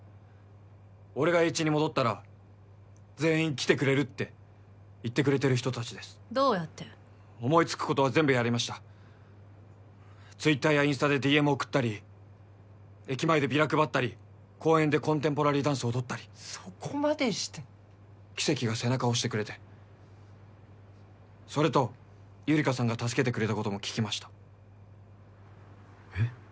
俺がエーイチに戻ったら全員来てくれるって言ってくれてる人達ですどうやって思いつくことは全部やりましたＴｗｉｔｔｅｒやインスタでＤＭ送ったり駅前でビラ配ったり公園でコンテンポラリーダンス踊ったりそこまでしてキセキが背中押してくれてそれとゆりかさんが助けてくれたことも聞きましたえっ？